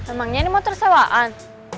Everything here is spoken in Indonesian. emangnya ini motor sewaan